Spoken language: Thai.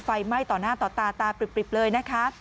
ไฟไหม้ต่อหน้าต่อตาตาปริบเลยนะคะ